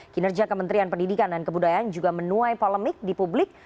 kinerja kementerian pendidikan dan kebudayaan juga menuai polemik di publik